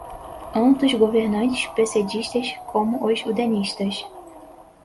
anto os governantes pessedistas como os udenistas